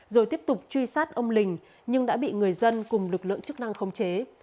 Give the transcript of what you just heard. rồi tiếp tục truy sát ông lình nhưng đã bị người dân cùng lực lượng chức năng khống chế